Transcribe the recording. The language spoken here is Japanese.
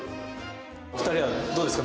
お二人はどうですか？